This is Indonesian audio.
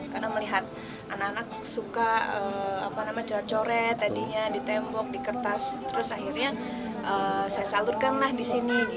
karena melihat anak anak suka cerah coret tadinya di tembok di kertas terus akhirnya saya salurkanlah di sini